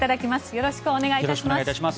よろしくお願いします。